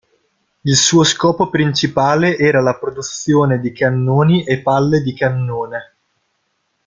Il suo scopo principale era la produzione di cannoni e palle di cannone.